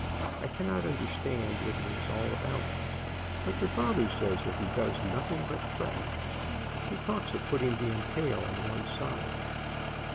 I cannot understand what it is all about, but your father says that he does nothing but threaten. He talks of putting the entail on one side.